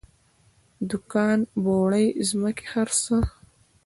دوکان بوړۍ ځمکې هر څه.